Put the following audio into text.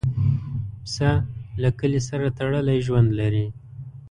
پسه له کلي سره تړلی ژوند لري.